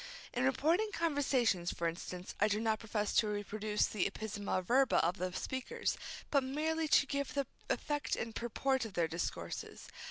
In reporting conversations, for instance, I do not profess to reproduce the ipsissima verba of the speakers, but merely to give the effect and purport of their discourses.